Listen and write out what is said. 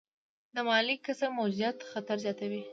د مالي کسر موجودیت خطر زیاتوي.